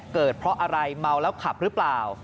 เกิดเพราะอะไรเมาแล้วขับหรือเปล่า